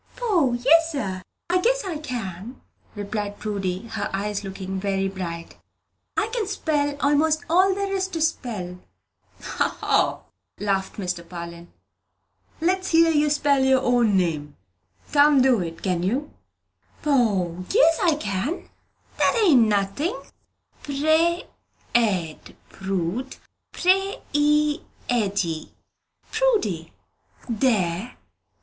"Poh! yes, sir, I guess I can," replied Prudy, her eyes looking very bright, "I can spell 'most all there is to spell." "O, ho," laughed Mr. Parlin. "Let's hear you spell your own name. Can't do it, can you?" "Poh! yes, I can! That ain't nothin'. Pre ed, Prood, Pre i eddy, Prudy. There!"